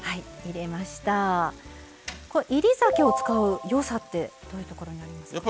煎り酒を使うよさってどういうところなんですか？